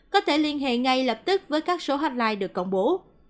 có thể liên hệ ngay lập tức với các số hotline được công bố